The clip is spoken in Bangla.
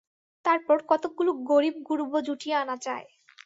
তারপর কতকগুলো গরীব-গুরবো জুটিয়ে আনা চাই।